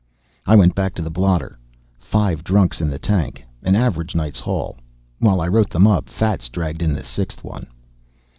I went back to the blotter. Five drunks in the tank, an average night's haul. While I wrote them up Fats dragged in the sixth one.